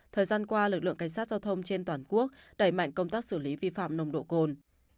thời gian qua lực lượng cảnh sát giao thông trên toàn quốc đẩy mạnh công tác xử lý vi phạm nồng độ cồn